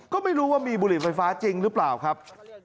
ก็ไม่รู้ว่ามีบุหรี่ไฟฟ้าจริงหรือเปล่าครับ